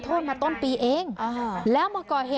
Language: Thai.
โอ้โหโอ้โหโอ้โหโอ้โหโอ้โห